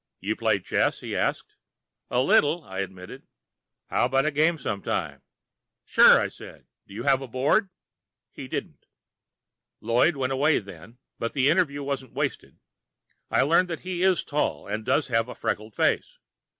"You play chess?" he asked. "A little," I admitted. "How about a game sometime?" "Sure," I said. "Do you have a board?" He didn't. Lloyd went away then, but the interview wasn't wasted. I learned that he is tall and does have a freckled face.